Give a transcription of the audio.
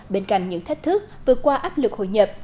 bên cạnh những thách thức vượt qua áp lực hội nhập